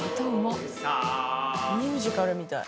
ミュージカルみたい。